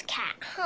ああ。